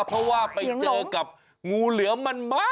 เพราะว่าไปเจอกับงูเหลือมมันมาก